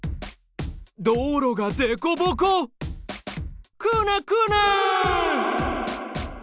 道路がデコボコくねくね！